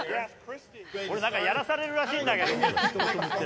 俺、なんかやらされるらしいんだけど。